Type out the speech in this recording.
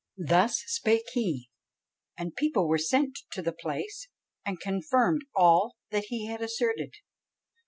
"Thus spake he, and people were sent to the place, and confirmed all that he had asserted.